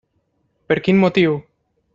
Per quin motiu?